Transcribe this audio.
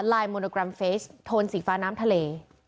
โมโนแกรมเฟสโทนสีฟ้าน้ำทะเล